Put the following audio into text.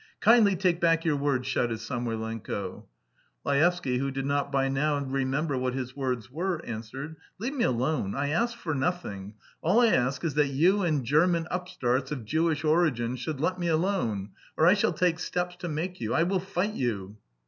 "Kindly take back your words," shouted Samoylenko. Laevsky, who did not by now remember what his words were, answered: "Leave me alone! I ask for nothing. All I ask is that you and German upstarts of Jewish origin should let me alone! Or I shall take steps to make you! I will fight you!"